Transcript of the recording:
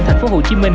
thành phố hồ chí minh